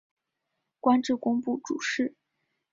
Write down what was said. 官至工部主事。